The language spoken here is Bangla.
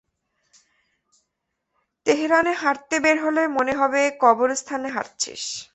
তেহরানে হাঁটতে বের হলে, মনে হবে কবরস্থানে হাঁটছিস।